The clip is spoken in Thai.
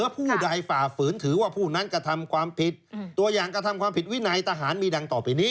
ผู้ใดฝ่าฝืนถือว่าผู้นั้นกระทำความผิดตัวอย่างกระทำความผิดวินัยทหารมีดังต่อไปนี้